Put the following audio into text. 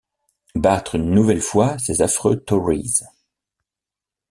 Battre une nouvelle fois ces affreux tories. ..